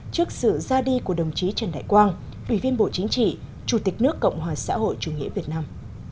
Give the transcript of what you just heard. trước sự ra đi của đồng chí trần đại quang ủy viên bộ chính trị chủ tịch nước cộng hòa xã hội chủ nghĩa việt nam